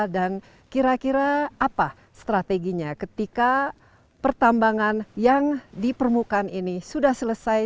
dan kira kira apa strateginya ketika pertambangan yang di permukaan ini sudah selesai